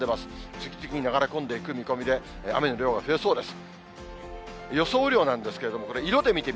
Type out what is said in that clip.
次々に流れ込んでいく見込みで、雨の量が増えそうです。